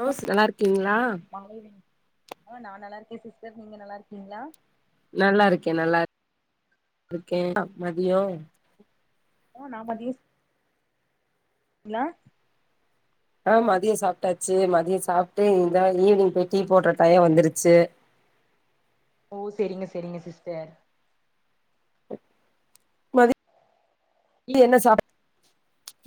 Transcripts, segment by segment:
rose நல்லா இருக்கீங்ளா அட இல்லீங்க ம் நா நல்லா இருக்கே சிஸ்டர் நீங்க நல்லா இருக்கீங்களா நல்லா இருக்கே நல்லா இரு இருக்கெ மதியோ ஓ நா பண்ணீர் இல்ல ஆ மதிய சாப்ட்டாச்சு மதியோ சாப்ட்டு இந்தா ஈவினிங் போய் டீ போட்ற டையோ வந்துருச்சு ஓ சரிங்க சரிங்க சிஸ்டர் மதியோ என்ன சாப்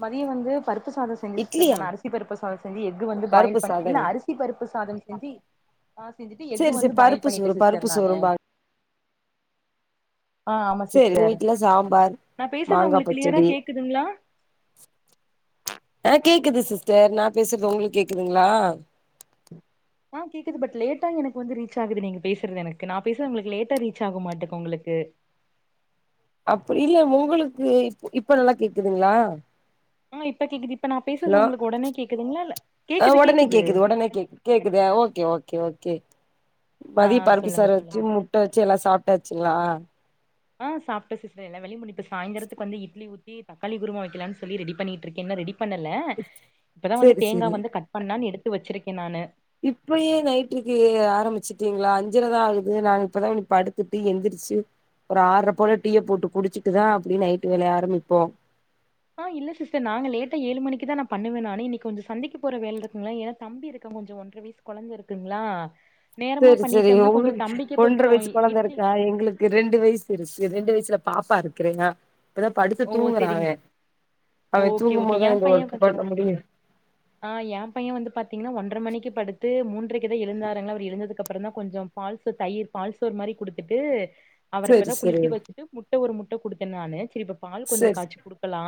மதிய வந்து பருப்பு சாதோ செஞ்சி சிஸ்டர் இட்லியா நா அரிசி பருப்பு சாதோ செஞ்சு எக்கு வந்து பாயல் பருப்பு பண்ணி சாதங்க இல்ல பருப்பு சாதம் செஞ்சு ஆ செஞ்சுட்டு எக்கு சேரி சேரி வந்துட்டு பாயில் பருப்பு பண்ணிட்டே சோறு சிஸ்டர் பருப்பு நானு சோறும்பாங்க ஆ ஆமா சேரி எங்க சிஸ்டர் வீட்ல சாம்பார் நா பேசுறது மாங்கா உங்களுக்கு க்ளியரா பச்சடி கேக்குதுங்களா ஆ கேக்குது சிஸ்டர் நா பேசுறது உங்க்ளுக் கேக்குதுங்களா ஆ கேக்குது பட் லேட்டா எனக்கு வந்து ரீச் ஆகுது நீங்க பேசுறது எனக்கு நா பேசுற உங்களுக்கு லேட்டா ரீச் ஆகு மாட்டு உங்களுக்கு அப்டி இல்ல உங்களுக்கு இ இப்ப நல்லா கேக்குதுங்ளா ம் இப்ப கேக்குது இப்ப நா பேசுறது உங்களுக்கு உடனே கேக்குதுங்களா இல்ல கேக்குது கேக்குது உடனே கேக் கேக்குது ஓகே ஓகே ஓகே ஆ மதிய பருப்பு சொல்லுங்க சோறு சொல்லுங்க வச்சு முட்ட முட்ட வச்சு எல்லா சாப்டாச்சுங்களா ஆ சாப்ட சிஸ் இன்னு வெளி முடிப்பு சாயந்தரத்துக் வந்து இட்லி இட்லி தக்காளி குருமா வைக்கலானு சொல்லி ரெடி பண்ணிட்டு இருக்கேன் இன்னு ரெடி பண்ணல இப்பதா வந்து சேரி தேங்கா சேரி வந்து கட் பண்லான்னு எடுத்து வச்சிருக்கே நானு இப்பயே நைட்டுக்கு ஆரம்பிச்சுட்டீங்களா அஞ்சரதா ஆகுது நானு இப்பதா படுத்துட்டு எந்திரிச்சு ஒரு ஆர்ற போல டீய போட்டு குடிச்சுட்டுதா அப்டி நைட்டு வேலய ஆரமிப்போ ஆ இல்ல சிஸ்டர் நாங்க லேட்டா ஏழு மணிக்குதா பண்ணுவே நானு இன்னைக்கு கொஞ்சோ சந்தைக்கு போற வேலை இருக்குங்களா ஏனா தம்பி இருக்கா கொஞ்சோ ஒன்ற வயஸ் கொழந்த இருக்குங்ளா சேரி சேரிங்க உங்களுக்கு ஒன்ற கொஞ்சோ வயசு கொழந்த இட்லி இருக்கா எங்களுக் ரெண்டு வயசு இருக்கு ரெண்டு வயசுல பாப்பா இருக்றேங்க இப்பதா படித்து ஓ தூங்குறா செரிங்க அவன் அவன் ஓகே ஓகே தூங்கும்போதுதா இந்த ஒர்க் பண்ண முடியு ஆ ஏ பைய வந்து பாத்தீங்கன்னா ஒன்ற மணிக்கு படுத்து மூன்றைக்கு இங்கதா எழுந்தாரங்களா அவரு எழுந்ததுக்கு அப்றந்தா கொஞ்சோ பால்சோ தயிர் பால்சோர் மாரி கொடுத்துட்டு அவர சேரி இப்பதா சேரி குளிக்க வச்சுட்டு முட்ட ஒரு முட்ட கொடுத்த நானு சரி இப்போ பால் கொஞ்ச சேரி காய்ச்சி கொடுக்கலா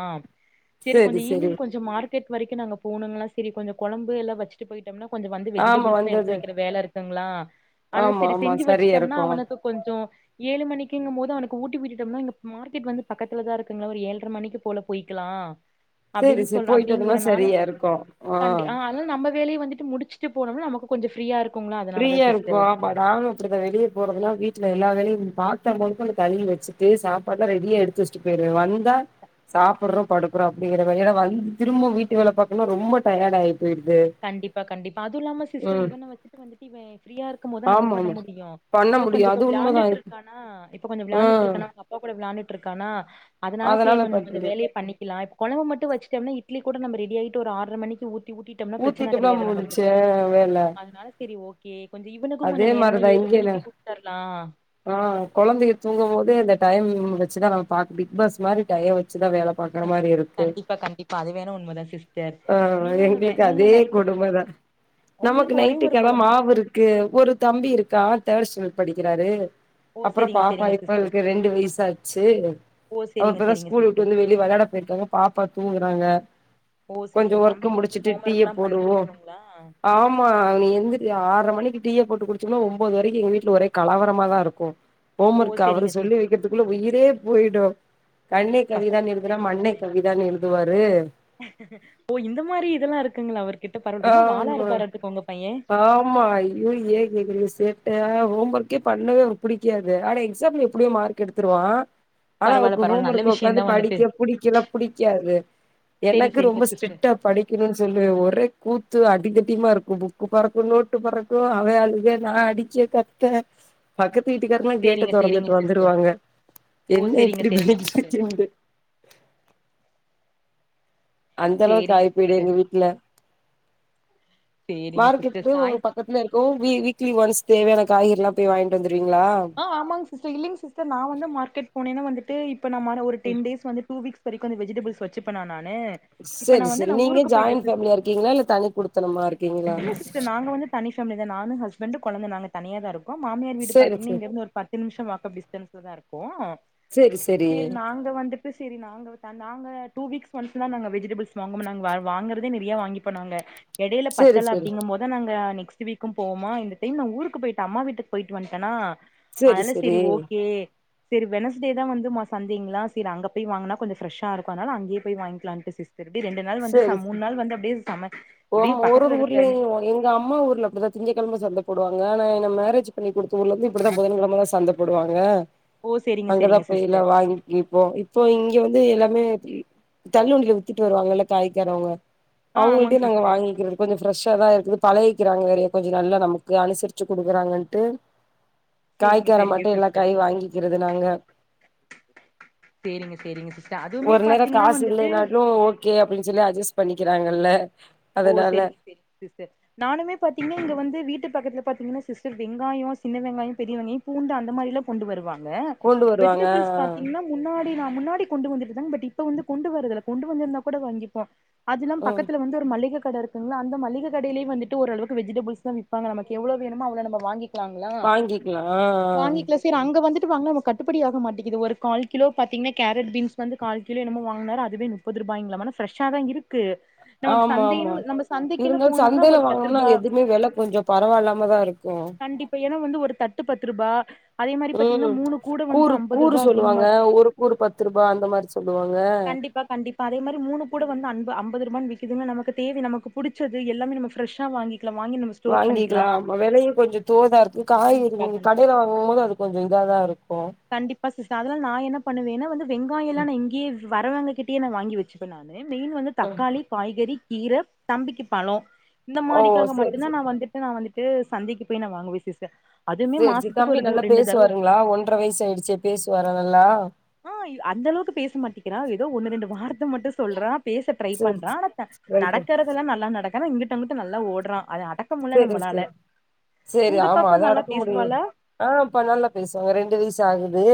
சரி சேரி கொஞ்சோ சேரி ஈவினிங் கொஞ்ச மார் க்கெட் வரைக்கு நாங்க போணுங்லா சரி கொஞ்சோ கொழம்பு எல்லா வச்சுட்டு போயிட்டோம்னா கொஞ்சோ வந்து ஆமா வெஜிடபிள்ஸ்லா எடுத்து வந்தது வக்கிற வேலை இருக் ங்களா அதா ஆமா செரி ஆமா செஞ்சு சரியா வெச்சட்டோம்னா இருக்கு அவன தொட் கொஞ்சொ ஏழு மணிக்கீங்கும்போது அவனுக்கு ஊட்டி விட்டுட்டோம்னா இங்க மார்க்கெட் வந்து பக்கத்துலதா இருக்கு இவங்கள ஒரு ஏழ்ர மணிக்கு போல போய்க்கலா சேரி அப்டின் சேரி சொல் போயிட்டு வந்தோம்னா அப்டிங்கறனால சரியா இருக்கு கண்டி ஆ அ நம்ப வேலய வந்துட்டு முடிச்சுட்டு போனோம்னா நமக்கு கொஞ்சொ ஃப்ரீயா இருக்கு ஃப்ரீயா இருக்கு நானு அப்படித்தா வெளிய போறதுனா வீட்ல எல்லா வேலையு பாத்தரம் மொத கொண்டு கழுவி வெச்சுட்டு சாப்பாட்ல்லா ரெடியா எடுத்து வச்சு ட்டு போயிடுவே வந்தா சாப்புர்றோ படுக்கறோ அப்டிங்கற வகைல வந்து திரும்ப வீட்டு வேலை பாக்கனுனா ரொம்ப டயர்ட் டா ஆயி போயிருது கண்டிப்பா கண்டிப்பா அதுவு இல்லாம சிஸ்டர் இவன வெச்சுட்டு வந்துட்டு இவ ஃப்ரீயா இரு க்கும் போது நம்ப ஆமா பண்ண ஆமா முடியு பண்ண இவ கொஞ்ச முடியு இப்ப அது உண்மதா விளாண்டுட்டு இருக்கானா இப்ப கொஞ்ச ஆ விளாண்டுட்டு இருக்கானா அவங்கப் பா கூட விளாண்டுட்டு இருக்கானா அதனால சேரி கொஞ்ச கொஞ்ச வேலைய பண்ணி கிலா இப்ப கொழம்ப மட்டு வச்சுட்டோம்னா இட்லி கூட நம்ப ரெடியாகிட்டு ஒரு ஆற்ர மணிக்கு ஊத்தி ஊட்டிட் ஊத்திட்டோம்னா முடிஞ்சு வேல வேல சரி ஓகே கொஞ்ச இவனுக்கு கொஞ்ச அதே நேரமா மாரிதா ஏழு இங்க நா மணிக்கு குடுத்தரலா ஆ கொழந்தைக தூங்கும் போது இந்த டைம் வெச்சுதா நம்ம பாக் பிக் பாஸ் மாரி டையம் வச்சுதா வேல பாக்கற மாரி இருக்கு கண்டிப்பா கண்டிப்பா அது வேணா உண்மதா சிஸ்டர் ஆ நீங்க உங்க வே எங்களுக்கு நீங்க அதே நைட்டுக்கு கொடுமதா நமக்கு உங்களுக்கு ஒரே ஒரு நைட்டுக்கெல்லா கொழந் மாவுருக்கு ஒரு தம்பி இருக்கா அவ தேர்ட் ஸ்டாண்டர்ட் படிக்கிறாரு ஓ அப்புற செரிங்க பாப்பா செரிங்க இப்ப சிஸ்டர் இவளுக்கு ரெண்டு வயசாச்சு ஓ அவ செரிங்க இப்பதா செரிங்க ஸ்கூல் விட்டு சிஸ்டர் வந்து வெளிய வெளாட போயிருக்காங்க பாப்பா தூங்குறாங்க ஓ கொஞ்சோ சேரிங்க ஒர்க்க தம்பிக்கு எப்டி முடிச்சுட்டு ஹோம் டீய ஒர்க்லா பண்ணி போடுவோ குடுக்கணுங்களா ஆமா அவ எந்திரிக்க ஆற்ர மணிக்கு டீய போட்டு குடிச்சோனா ஒம்போது வரைக்கு எங்க வீட்ல ஒரே கலவரமாதா இருக்கு ஹோம் ஓ ஓர்க் அவரு செரிங்க சொல்லி சிஸ் வெக்கிறதுக்குள்ள உயிரே போயிடு கண்ணே கவிதானு பசங்கனாலே எழுதுனா மண்ணே அப்டித்தானே கவிதான்னு எழுதுவாரு ஓ இந்த மாரி இதெல்லா இருக்குங்களா அவர்கிட்ட பரவால ரொம்ப வாலா ஆமா இருப்பாராட்டுக்கு உங்க பைய ஆமா அய் அய்யோ ஏ கேக்குறிங்க சேட்டையா ஹோம் ஒர்க்கே பண்ணவே அவனுக்கு புடிக்காது ஆனா எக்ஸாம்ல எப்படியோ மார்க் எடுத்துருவா ஆனா பரவால்ல அவருக்கு பரவால்ல ஹோம் நல்ல ஒர்க் உக்காந்து விஷயந்தா வந்துட்டு படிக்க புடிக்கல புடிக்காது செரி எனக்கு செரிங்க ரொம்ப சிஸ்டர் ஸ்ட்ரிக்ட்டா படி படிக்கனூனு சொல்லுவே ஒரே கூத்து அடிதடியுமா இருக்கு புக்கு பறக்கு நோட்டு பறக் கு அவெ அழுக நா அடிக்க கத்த பக்கத்து வீட்டுக்கார்லா கேட்ட செரிங்க தொறந்துட்டு செரிங்க சிஸ்டர் வந்துருவாங்க ஓ என்ன செரிங்க இப்டி செரிங்க படிக்க சிஸ்டர் வச்சண்ட்டு அந்தளவுக் சேரிங்க ஆகி போயிடு சிஸ்டர் எங்க வீட்ல சேரிங்க சிஸ்டர் மார்க்கெட்டு சாய் ஒங்களுக்கு பக் பக்கத்துல இருக்கு வீ வீக்லி ஒன்ஸ் தேவையான காய்கறிலா போய் வாங்கிட்டு வந்துருவீங்களா ஆ ஆமாங்க சிஸ்டர் இல்லிங்க சிஸ்டர் நா வந்து மார்க்கெட் போனேனா வந்துட்டு இப்ப நம்ம அனா ஒரு டென் டேஸ் வந்துட்டூ டூ வீக்ஸ் இதுவரைக்கு அந்த வெஜிடபுள்ஸ் வச்சுப்பேனா நானு இப்ப நா செரி வந்து செரி நா நீங்க ஊருக்கு போயிட்டே ஜாயின் சிஸ்டர் ஃபேமிலியா இருக்கீங்களா இல்ல தனி குடுத்தனமா இரு இல்ல சிஸ்டர் நாங்க வந்து தனி ஃபேமிலிதா நானு ஹஸ்பண்ட் கொழந்த நாங்க தனியாதா இருக்கோ மாமியார் வீடு செரி பாத்தீங்கனா செரி இங்க இருந்து ஒரு பத்து நிமிஷ வாக்அப் டிஸ்டன்ஸ்லதா இருக்கு செரி செரி சேரி நாங்க வந்துட் இப்ப சேரி நாங்க தன் நாங்க டூ வீக்ஸ் ஒன்ஸ்தா நாங்க வெஜிடபுள்ஸ் வாங்குவோமே நாங்க வா வாங்குறதே நெறைய வாங்கிப்போ நாங்க எடைல செரி தல அப்டிங்கும் போதா நாங்க நெக்ஸ்ட் வீக்கு போவோமா இந்த டைம் நா ஊருக்கு போயிட்ட அம்மா வீட்டுக் போய்ட்டு வன்டேனா அதால செரி ஓகே சரி வெனஸ்டேதா வந்து மா சந்தைங்களா செரி அங்க போய் வாங்குனா கொஞ்சொ ஃப்ரெஷ்ஷா இருக்கு அதனால அங்கேயே போய் வாங்கிலான்ட்டு சிஸ் திருப்பி ரெண்டு நாள் வந்து ச மூணு நாள் வந்து அப்டியே சம ஓ அப்டியே பக்கத்துல ஒரொரு ஊர்லயு இருக்க எங்க அம்மா ஊர்ல அப்டிதா திங்கெழம சந்தப்போடுவாங்க ஆனா என்ன மேரேஜ் பண்ணி குடுத்த ஊர்ல வந்து புதன்கெழமை தா சந்த போடுவாங்க ஓ செரிங்க அங்கதா செரிங்க போயி எல்லா சிஸ்டர் வாங்கி இப்போ இப்போ இங்க வந்து எல்லாமே தள்ளுண்டில வித்திட்டு வருவாங்கல்ல காய்காரவங்க ஆ ஆமாங்க அவங்கள்டயு நாங்க சிஸ்டர் வாங்கிக்றோ கொஞ்ச ஃப்ரெஷ்ஷா தா இருக்குது பழகிக்கிறாங்க நெறயா கொஞ்ச நல்லா நமக்கு அனுசரிச்சு குடுக்குறாங்கன்ட்டு செரிங்க செரிங்க காய்காரம்மாட்ட எல்லா சிஸ்டர் காயூ வாங்கிக்கிறது நாங்க செரிங்க செரிங்க சிஸ்டர் அதுவுமே ஒரு நேரோ பாத்தீங்கன்னா காசு வந்துட்டு இல்லைனாலு ஓ கே அப்டின் சொல்லி அட்ஜஸ்ட் பண்ணிக்கிறாங்கள்ள ஓ சரிங்க சரிங்க சிஸ்டர் நானுமே பாத்தீங்கனா இங்க வந்து வீட்டு பக்கத்துல பாத்தீங்கனா சிஸ்டர் வெங்காயோ சின்ன வெங்காயோ பெரிய வெங்காயோ பூண்டு அந்த மாரில்லா கொண்டு வருவாங்க கொண்டு வருவாங்க வெஜிடபிள்ஸ் ஆ பாத்தீங்னா முன்னாடி நாள் முன்னாடி கொண்டு வந்துருந்தாங் பட் இப்ப வந்து கொண்டு வரதுல்ல கொண்டு வந்திருந்தா கூட வாங்கிப்ப அதில்லாம ம் பக்கத்துல வந்து ஒரு மல்லி க கட இருக்குங்ளா அந்த மல்லிக கடைல வந்துட்டு ஓரளவுக்கு வெஜிடபிள்ஸ் தா விப்பாங்க நமக் எவ்வளவ் வேணுமோ அவ்ளோ நம்ம வாங்கி ளாங்ளா வாங்கிக்கலா ஆ வாங்கிக்ளா சரி அங்கே வந்துட்டு வாங்னா நம்ம கட்டுப்படியாக மாட்டீகுது ஒரு கால் கிலோ பாத்தீங்னா கேரட் பீன்ஸ் வந்து கால்கிலோ என்மோ வாங்கனாரு அதுவே [unintelligible] வாய்ங்களானா பிரஷ்ஷா தா இருக்கு ஆ நம்ம ஆமா ஆமா சந்தைனு நம்ப இருந்தாலு சந்தைல வாங்கணம்னா அது எதுவுமே வில கொஞ்சோ பரவாயில்லாம தா இருக்கு இப்ப ஏனா வந்து ஒரு தட்டு பத்து ருபா ம் கூறு கூறு ரூபா அப்டிங்கமா சொல்லுவாங்க ஒரு கூறு பத்து ருபா அந்த மாரி சொல்லுவாங்க கண்டிப்பா கண்டிப்பா அதே மாரி மூணு கூட வந்து ஐம்பா ஐம்பது ரூபானு விக்குதுங்க நம்ம தேடி நமக்கு புடிச்சது எல்லாம நம்ம ப்ரெஷ்ஷா வாங்கிக்கலா வாங்கி நம்ம ஸ்டோர் பண்ணிக்கலா வாங்கிக்கலா வெலயு கொஞ்சோ தோதாருக்கு கண்டிப்பா காய்கறி கண்டிப்பா கடைல வாங்கும் போது அதுக் கொஞ்ச இதாதாருக்கு கண்டிப்பா சிஸ் அதனால் நா என்ன பண்ணுவேனா வந்து வெங்காயல்லா நா இங்கேயே வரவங்ககிட்டயே நா வாங்கி வெச்சுப்பே மெயின் வந்து ஆ தக்காளி காய்கறி கீர தம்பிக்கு பழோ இந்த ஓ மாரிக்காக சேரி மட்டுந்தா சேரி நா வந்து நா வந்துட்டு சந்தைக்கு போயி நா வாங்வே சிஸ்டர் அதுவுமே சரி மாசத்துக்கு தம்பி ஒரு து நல்லா ரெண்டு தடவ பேசுவாருங்ளா ஒன்ற வய்சு ஆயிடுச்சே பேசுவாரா நல்லா ஆ அந்த அளவுக் பேச மாட்டீங்றா ஏதோ ஒன்னு ரெண்டு வார்த்த மட்டு சொல்றான் பேச ட்ரை சரி பண்றான் ஆனா ரைட்டு நடக்கறதெல்லா நல்லா நடக்கறா இங்கிட்அங்கிட் நல்லா ஓடுறா அதது அட க்க முல சரி நம்மனால சரி சரி உங்க ஆமா பாப்பா அத நல்லா அடக்க முடியு பேசுவாலா ஆ அப்ப நல்லா பேசுவாங்க ரெண்டு வயசு ஆகுது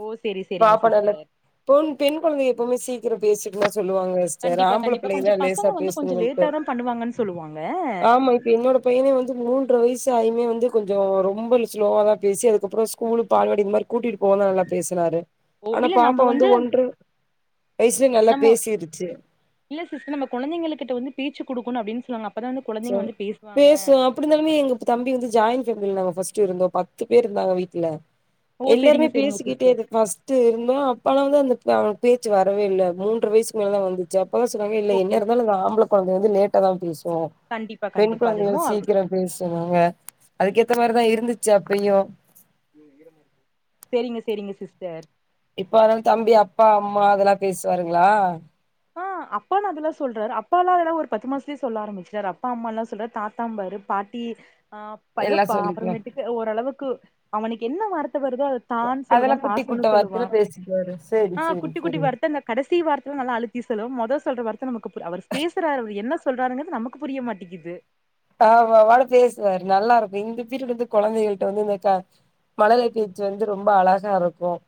ஓ செரி செரிங்க பாப்பா நல்லா சிஸ்டர் பொண் பெண் கொழந்த எப்போமே சீக்கிரம் பேசிட்டு தா சொல்லுவாங்க சிஸ்டர் கண்டிப்பா ஆம்பள கண்டிப்பா புள்ளைங் கொஞ்ச தா பசங்க லேசா வந்து கொஞ்ச பேசணங்கட்டு லேட்டா தா பண்ணுவாங்கன்னு சொல்லுவாங்க ஆமா என்னோட பைய்யனே வந்து மூன்று வயசு ஆயுமே வந்து கொஞ்ச ரொம்ப ஸ்லோவா தா பேசி அதுக்கப்றோ ஸ்கூல் பால்வாடி இந்த மாரி கூட்டிட்டு போனா தா நல்லா பேசனாரு ஓ ஆனா இல்ல நம்ம பாப்பா வந்து ஒன்ர வயசுல நல்லா நம்ம பேசிருச்சு இல்ல சிஸ்டர் நம்ப கொழந்தைகள்கிட்ட வந்து பேச்சு குடுக்கணு அப்டின் சொல்வாங்க அப்பதா வந்து கொழந்தைங்க வந்து பேசுவாங்க குடுத்தனமே எங் தம்பி வந்து ஜாயின் பேமில நாங்க ஃபர்ஸ்ட் இருந்தோ பத்து பேரு இருந்தாங்க வீட்ல ஓ செரிங்க எல்லாருமே செரிங்க பேசிக்கிட்டே சிஸ்டர் இது பாஸ் இருந்தோம் அப்பலாம் வந்து அந்த அவனுக்கு பேச்சு வரவே இல்ல மூன்ற வயசுக்கு மேல தான் வந்துச் சி அப்ப தா சொன்னாங்க இல்ல ஓகே என்ன இருந்தாலும் இந்த ஆம்பள கொழந்த வந்து லேட்டா தான் பேசும் கண்டிப்பா பெண் கண்டிப்பா அது கொழந்தைகள் என்னமோ சீக்கிரம் பேசிறாங்க அதுக்கேத்த மாரிதான் இருந்துச்சு அப்பயு செரிங்க செரிங்க சிஸ்டர் இப்ப அதா தம்பி அப்பா அம்மா அதெல்லாம் பேசுவாருங்களா ஆ அப்பான் அதெல்லாம் சொல்றாரு அப்பால்லா அதெல்லா ஒரு பத்து மாசத்துலயே சொல்ல ஆரம்பிச்சிட்டாரு அப்பா அம்மால்லா சொல்றாரு தாத்தாம்பாரு பாட்டி ஆ எதோ எல்லா சொல்லிக்குவா அப்புறமேட்டுக்கு ஓரளவுக்கு அவனுக்கு என்ன வார்த்த வருதோ அத தான் அதெல்லா சொல்லுவான் குட்டி காசுன்னு குட்ட வார்த்தையில சொல்லுவான் பேசிக்குவாரு சேரி ஆ சேரி குட்டி குட்டி சேரி வார்த்த அந்த கடைசி வார்த்தெல்லா நல்லா அழுத் தி சொல்லுவா மொத சொல்ற வார்த்த நமக்கு புரி அவர் பேசுறாரு அவர் என்ன சொல்றாருங்குறது நமக்கு புரிய மாட்டிக்குது ஆ அவப்பாட்டுக்கு பேசுவாரு நல்லா இருக்கும் இந்த பீரியடு வந்து கொழந்தைகள்ட்ட வந்து இந்த மழலை பேச்சு வந்து ரொம்ப அழகா இருக்கும்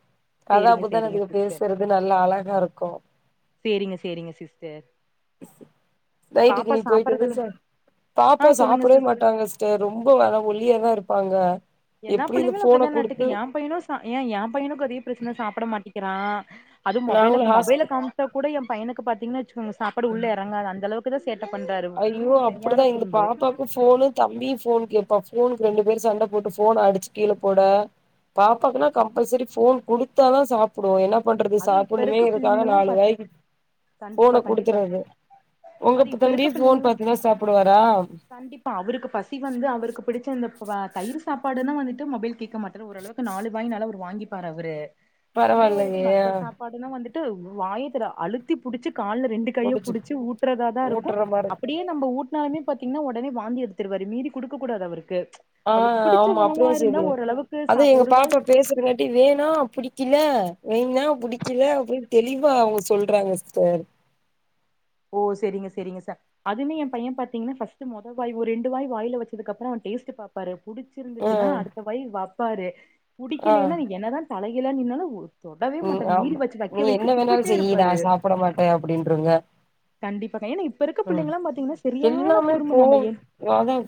கதா சேரிங்க புதான் சேரிங்க அதுக சிஸ்டர் பேசுறது நல்லா அழகா இருக்கும் சேரிங்க சேரிங்க சிஸ்டர் நைட்டுக்கு பாப்பா இனி போய்ட்டு வந்து சாப்பறதுல ச பாப் ஆ பாப்பா சொல்லுங்க சாப்டவே சிஸ் மாட்டாங்க சிஸ்டர் ரொம்ப வர ஒல்லியா தான் இருப்பாங்க எல்லா எப்டி இந்த புள்ளைங்களும் ஃபோன அப்டித்தான் நட்டுக்கு குடுத்து என் பையனும் ஏன் என் பையனுக்கு அதே பிரச்சனை சாப்புட மாட்டிக்கிறான் அது மொபைல நாங்களு மொபைல ஹாஸ்பி காம் காமிச்சா கூட என் பையனுக்கு பாத்தீங்கனா வச்சுக்கோங்க சாப் சாப்பாடு உள்ள எறங்காது அந்த அளவுக்கு தான் சேட்ட பண்றாரு ஐயோ குறும்பு அப்டிதா சரியான இந்த குறும்பு பாப்பாக்கு ஃபோனு தம்பியு ஃபோன் கேப்பா ஃபோனுக்கு ரெண்டு பேரும் சண்ட போட்டு ஃபோன அடிச்சி கீழ போட பாப்பாக்குனா கம்பல்சரி ஃபோன் குடுத்தாதான் சாப் ப்புடு என்ன பண்றது அது இப்ப சாப்புணுமே இருக்க இதுக்காக பிள்ளைங்கல்லா நாலு பாத்தி வாய் கண்டிப்பா ஃபோன கண்டிப்பா ட்றாத உங்க அது இப்ப தம்பி இருக்க ஃபோன் பிள்ளைங்களா பாத்துதா சாப்புடுவாரா கண்டிப்பா அவருக்கு பசி வந்து அவருக்கு பிடிச்ச இந்த தயிர் சாப்பாடுன்னா வந்துட்டு மொபைல் கேக்க மாட்டாரு ஓரளவுக்கு நாலு வாய்னாலு அவர் வாங்கிப்பார் அவரு இதே வந்துட்டு பரவாயில்லையே மத் சாப்பாடுனா வந்துட்டு வாய திற அழுத்தி புடிச்சு கால்ல ரெண்டு கைய முடிச்சு புடிச்சு ஊட்டுறதா தான் இருக்கும் ஊட்டுற மாரி அப்படியே நம்ம ஊட்னாலுமே பாத்தீங்கன்னா உடனே வாந்தி எடுத்துடுவாரா மீறி குடுக்க கூடாது அவருக்கு ஆ அவருக்கு பிடிச்ச ஆமா அப்படிதா உணவா இருந்தா செய்து ஓரளவுக்கு அதான் சாப் எங்க ஒரு வாய் பாப்பா பேசுதுங்க ட்டு வேணாம் பிடிக்கல வேணா புடிக்கல அப்படின்னு தெளிவா அவுங்க சொல்றாங்க சிஸ்டர் ஓ செரிங்க செரிங்க சா அதுமே என் பையன் பாத்தீங்கன்னா ஃபர்ஸ்ட்டு மொத வாய் ஒரு ரெண்டு வாய் வாயில வச்சதுக்கு அப்புறம் அவன் டேஸ்ட்டு பாரு ஆ புடிச்சிருந்துச்சினா அடுத்த வாய் வைப்பாரு ஆ பிடிக்கலைன்னா நீ என்னதான் தலைகீழ நின்னாலும் தொடவே ம் மாட்டாரு மீறி வச்சு வைக்க வைக்க துப்பிட்டே இருப்பாரு போட மாட்ட அப்படின்றுங்க கண்டிப்பாக்கா ஏன்னா இப்ப இருக்க பிள்ளைங்களாம் பாத்தீங்கன்னா சரியான எல்லாமே குறும்பு போ நம்ம என்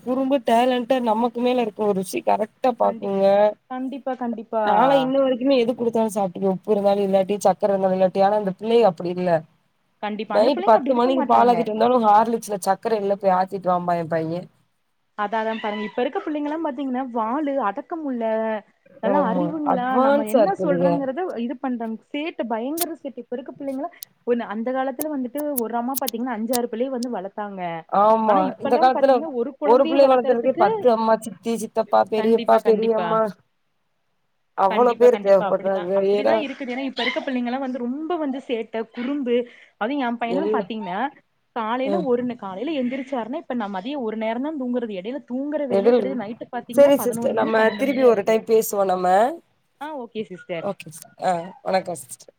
குறும்பு டேலண்டட் நமக்கு மேல இருக்கும் ருசி கரெக்ட் ட்டா கண்டிப் பாக்குங்க கண்டிப்பா கண்டிப்பா நாலா இன்ன வரைக்குமே எது குடுத்தாலும் சாப்ட்டுக்குவ உப்பு இருந்தாலும் இல்லாட்டி சக்கர இருந்தாலும் இல்லாட்டி ஆனா இந்த பிள்ளைக அப்படி இல்ல கண்டிப்பா அந்த நைட்டு புள்ளைங்க பத்து அப்டி இருக்க மணிக்கு மாட்டாங்க பாலாத்திட்டு வந்தாலும் ஹார்லிக்ஸ்ல சக்கர இல்ல போய் ஆத்திட்டு வாம்பா என் பையன் அதான் அதான் பாருங்க இப்ப இருக்க பிள்ளைங்க எல்லாம் பாத்தீங்கன்னா வாலு அடக்கம் முல்ல நல்ல ஆமா அறிவுங்களா நம்ம அட்வான்ஸா என்ன இருக்குதுக சொல்றங்கறத இது பண்றாங்க சேட்ட பயங்கர சேட்ட இப்ப இருக்க பிள்ளைங்களா ஒன்னு அந்த காலத்துல வந்துட்டு ஒரு அம்மா பாத்தீங்கன்னா அஞ்சாறு பிள்ளய வந்து வளத் ஆமா இந்த காலத்துல ஒரு கொழந்தைய புள்ளய வளத்தறதுக்கே வளக்கறதுக்கு பத்து அம்மா சித்தி சித்தப்பா பெரியப்பா கண்டிப்பா கண்டிப்பா பெரியம்மா அவ்ளோ கண்டிப்பா பேரு கண்டிப்பா அப்படிதா தேவைப்படுறாங்க அப்படிதா ஏன்னா ஏன்னா இப்ப இருக்க பிள்ளைங்க எல்லா வந்து ரொம்ப வந்து சேட்டை குறும்பு அது என் பையன எல்ல பாத்தீங்கன்னா காலையில அ ஒருன்னு காலையில எந்திரிச்சாருன்னா இப்ப நம்ம மதியம் ஒரு நேர தா தூங்குறது எடயில தூங்குற வேலையே எதில் கிடையாது நைட்டு பாத்தீங்கன்னா செரி பதினோரு சிஸ்டர் மணி நம்ம பன்ரெண்டு திருப்பி மணியா ஒரு இருக்கு டைம் பேசுவோ நம்ம ஆ ஓகே சிஸ்டர் ஓகே ஆ வணக்கம் சிஸ்டர்